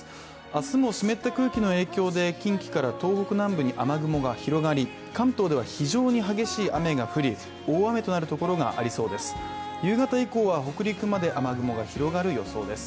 明日も湿った空気の影響で近畿から東北南部に雨雲が広がり関東では非常に激しい雨が降り大雨となるところがありそうです。